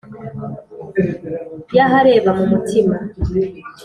Yah areba mu mutima